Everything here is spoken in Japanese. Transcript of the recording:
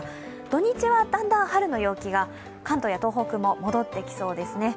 土日はだんだん春の陽気が関東や東北も戻ってきそうですね。